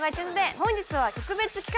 本日は特別企画！